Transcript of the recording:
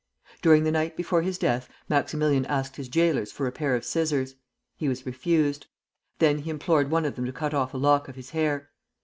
During the night before his death, Maximilian asked his jailers for a pair of scissors. He was refused. Then he implored one of them to cut off a lock of his hair.